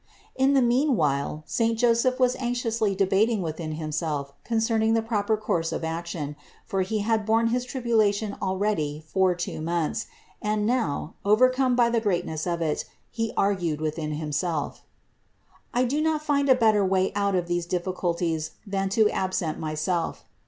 393. In the meanwhile saint Joseph was anxiously de bating within himself concerning the proper course of action, for he had borne his tribulation already for two months; and now, overcome by the greatness of it, he argued with himself: I do not find a better way out of these difficulties than to absent myself.